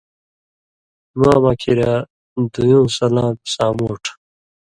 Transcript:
اِماماں کِریا دُویُوں سلام سامُوٹھ